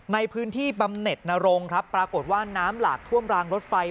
ในพื้นที่บำเน็ตนรงครับปรากฏว่าน้ำหลากท่วมรางรถไฟ